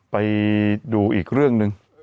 ไปดูอีกเรื่องหนึ่ง